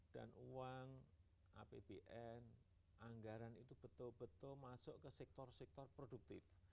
dan uang apbn anggaran itu betul betul masuk ke sektor sektor produktif